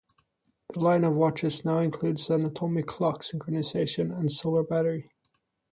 The line of watches now includes atomic clock synchronization and solar battery.